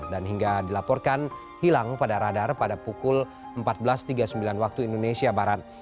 dan hingga dilaporkan hilang pada radar pada pukul empat belas tiga puluh sembilan waktu indonesia barat